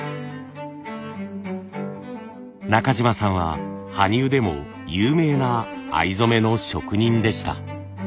中島さんは羽生でも有名な藍染めの職人でした。